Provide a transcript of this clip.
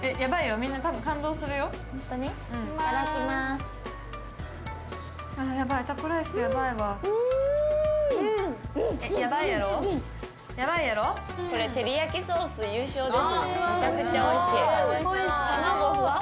めちゃくちゃおいしい。